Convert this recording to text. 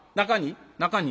中に？